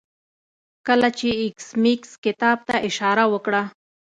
کله چې ایس میکس کتاب ته اشاره وکړه